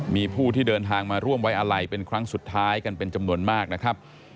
มีผู้ที่เดินทางมาร่วมไว้อาลัยเป็นครั้งสุดท้ายกันเป็นจำนวนมากนะครับ